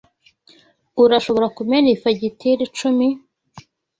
Urashobora kumena iyi fagitire icumi?